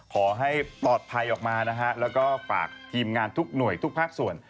ขอให้ปลอดภัยออกมานะฮะแล้วก็ฝากทีมงานทุกหน่วยทุกภาคส่วน